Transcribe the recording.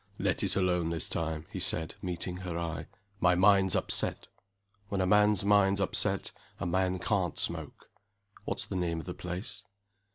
"Let it alone this time," he said, meeting her eye. "My mind's upset. When a man's mind's upset, a man can't smoke. What's the name of the place?"